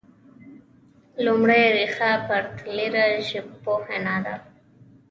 لومړۍ ريښه پرتلیره ژبپوهنه وه